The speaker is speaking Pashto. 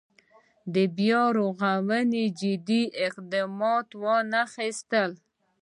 بیا رغونې جدي اقدامات وانخېستل.